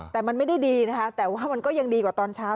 แต่มันไม่ได้ดีนะคะแต่ว่ามันก็ยังดีกว่าตอนเช้า